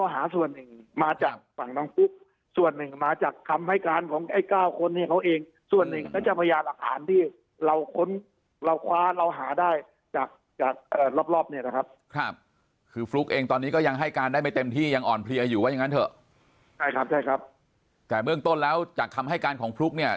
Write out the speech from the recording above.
หรือว่าอย่างนั้นเถอะใช่ครับใช่ครับแต่เมืองต้นแล้วจากคำให้การของพลุกเนี่ย